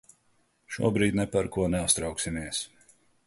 Šobrīd ne par ko neuztrauksimies.